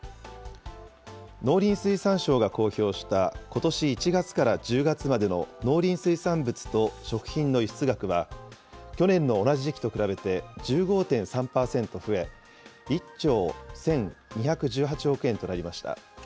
農林水産省が公表した、ことし１月から１０月までの農林水産物と食品の輸出額は、去年の同じ時期と比べて１５．３％増え、１兆１２１８億円となりました。